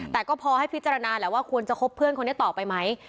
แต่ก็พอให้พิจารณาแหละว่าควรจะคบเพื่อนคนนี้ต่อไปไหม